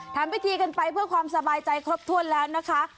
ทำพิธีกันไปเพื่อความสบายใจครบถ้วนแล้วนะคะ